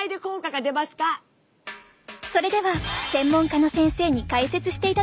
それでは専門家の先生に解説していただきましょう。